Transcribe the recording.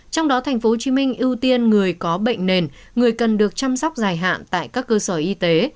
trong đó tp hcm ưu tiên người có bệnh nền người cần được chăm sóc dài hạn tại các cơ sở y tế